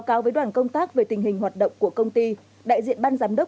cơ quan cảnh sát điều tra bộ